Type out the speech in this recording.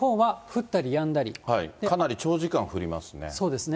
かなり長時間降りますね。